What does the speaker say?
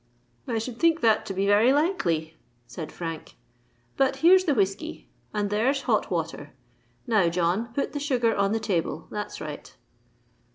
"I should think that to be very likely," said Frank. "But here's the whiskey—and there's hot water. Now, John, put the sugar on the table: that's right!"